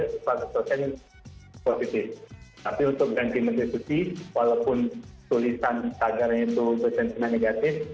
tapi untuk ganti menteri susi walaupun tulisan tagarnya itu bersentimen negatif